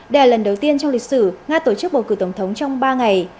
đây là lần đầu tiên trong lịch sử nga tổ chức bầu cử tổng thống trong ba ngày